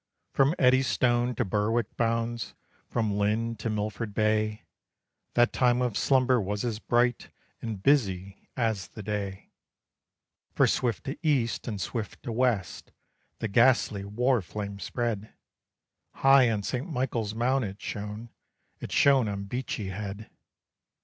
From Eddystone to Berwick bounds, from Lynn to Milford Bay, That time of slumber was as bright and busy as the day; For swift to east and swift to west the ghastly war flame spread; High on St. Michael's Mount it shone: it shone on Beachy Head.